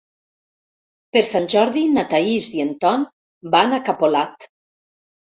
Per Sant Jordi na Thaís i en Ton van a Capolat.